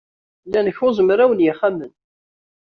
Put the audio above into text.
Llan kuẓ mraw n yexxamen